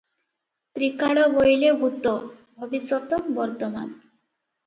ତ୍ରିକାଳ ବୋଇଲେ ଭୂତ, ଭବିଷ୍ୟତ, ବର୍ତ୍ତମାନ ।